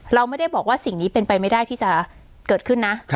เราไม่ได้บอกว่าสิ่งนี้เป็นไปไม่ได้ที่จะเกิดขึ้นนะ